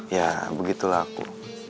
ya begitulah aku